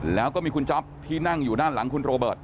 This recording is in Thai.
แล้วก็มีคุณจ๊อปที่นั่งอยู่ด้านหลังคุณโรเบิร์ต